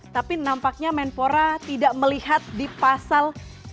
tapi nampaknya menpora tidak melihat di pasal tiga puluh lima